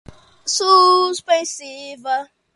suspensiva